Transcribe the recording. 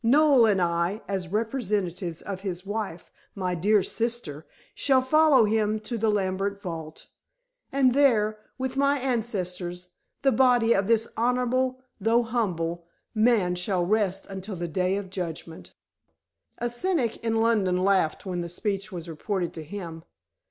Noel and I, as representatives of his wife, my dear sister, shall follow him to the Lambert vault, and there, with my ancestors, the body of this honorable, though humble, man shall rest until the Day of Judgment." A cynic in London laughed when the speech was reported to him.